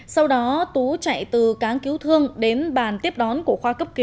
sau đó tú chạy từ cáng cứu thương đến bàn tiếp đón của khoa cấp cứu